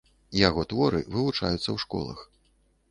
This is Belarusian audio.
Яго творы вывучаюцца ў школах.